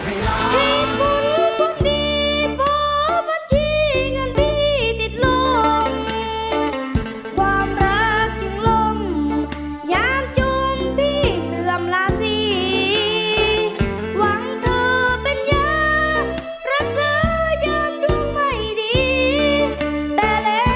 เห็นคุณคนดีพอบัญชีเงินพี่ติดลง